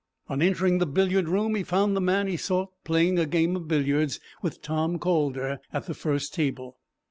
On entering the billiard room he found the man he sought playing a game of billiards with Tom Calder, at the first table.